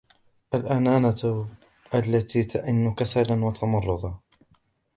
وَالْأَنَّانَةُ الَّتِي تَئِنُّ كَسَلًا وَتَمَارُضًا